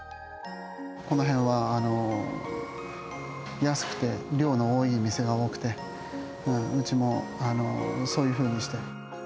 この辺は安くて量の多い店が多くて、うちもそういうふうにして。